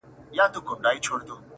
o د دوبي کور په اختر معلومېږي٫